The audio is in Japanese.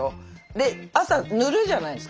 で朝塗るじゃないですか。